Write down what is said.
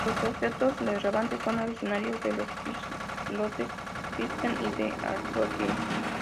Los objetos relevantes son originarios de los islotes Christiana y de Acrotiri.